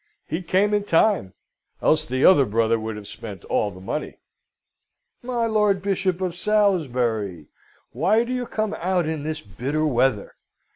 "He came in time, else the other brother would have spent all the money. My Lord Bishop of Salisbury, why do you come out in this bitter weather?